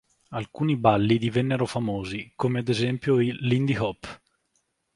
Alcuni balli divennero famosi, come ad esempio il Lindy Hop.